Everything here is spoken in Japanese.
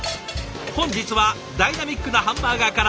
本日はダイナミックなハンバーガーから。